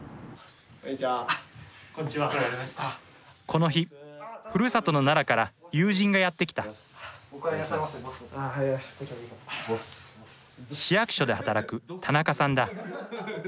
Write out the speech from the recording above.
この日ふるさとの奈良から友人がやって来た市役所で働く田中さんだ